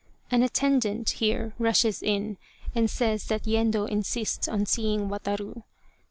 An attendant here rushes in and says that Yendo insists on seeing Wataru.